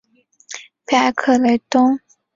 皮埃克雷东。